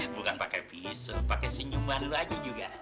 bukan pakai pisau pakai senyuman lu aja juga